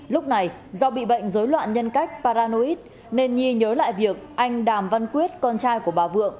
lúc này do bị bệnh dối loạn nhân cách paranoid nên nhi nhớ lại việc anh đàm văn quyết con trai của bà vượng